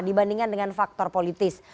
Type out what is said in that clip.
dibandingkan dengan faktor politis